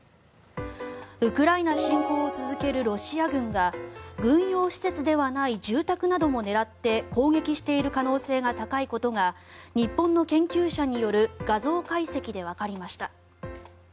ウクライナ侵攻を続けるロシア軍が軍用施設ではない住宅なども狙って攻撃している可能性が高いことが日本の研究者による画像解析でわかりました。